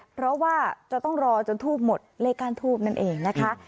เพราะว่าจะต้องรอจนทูบหมดเลขก้านทูบนั่นเองนะคะ